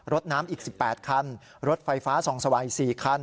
รถน้ำอีก๑๘คันรถไฟฟ้าส่องสว่าง๔คัน